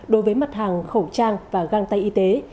đối với mặt hàng khẩu trang và găng tay y tế